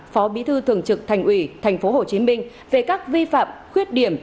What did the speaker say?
phó bí thư thường trực thành ủy tp hcm về các vi phạm khuyết điểm